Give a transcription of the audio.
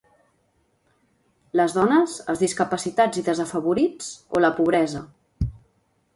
Les dones, els discapacitats i desfavorits o la pobresa.